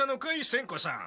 仙子さん。